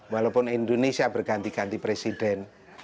walaupun indonesia berganti ganti presiden